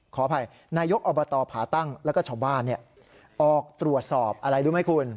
ขออภัยนายกอบตผาตั้งแล้วก็ชาวบ้านออกตรวจสอบอะไรรู้ไหมคุณ